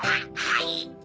はい！